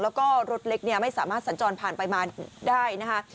แล้วก็รถเล็กเนี่ยไม่สามารถสัญจรผ่านไปมาได้นะคะ